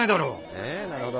ええなるほど。